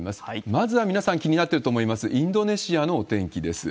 まずは皆さん、気になってると思います、インドネシアのお天気です。